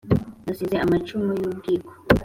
nasize amacumu y’ubwiko